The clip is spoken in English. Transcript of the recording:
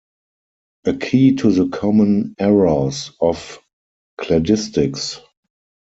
"A key to the common errors of cladistics".